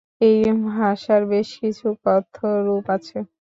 এই ভাষার বেশ কিছু কথ্য রূপ আছে।